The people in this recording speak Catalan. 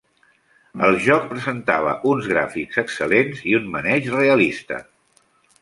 El joc presentava uns gràfics excel·lents i un maneig realista.